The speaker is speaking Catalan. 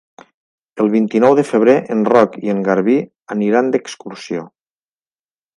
El vint-i-nou de febrer en Roc i en Garbí aniran d'excursió.